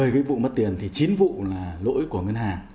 một mươi cái vụ mất tiền thì chín vụ là lỗi của ngân hàng